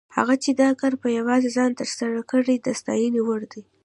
هغه چې دا کار په یوازې ځان تر سره کړی، د ستاینې وړ دی.